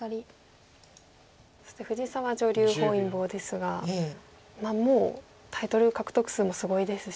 そして藤沢女流本因坊ですがまあもうタイトル獲得数もすごいですし。